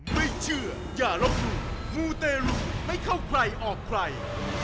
ไม่เชื่ออย่าลบหลู่มูเตรุไม่เข้าใครออกใคร